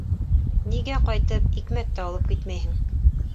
- Нигә ҡайтып икмәк тә алып китмәйһең?